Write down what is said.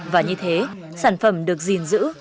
và như thế sản phẩm được gìn giữ